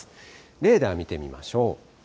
レーダー見てみましょう。